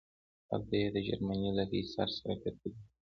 هلته یې د جرمني له قیصر سره کتلي دي.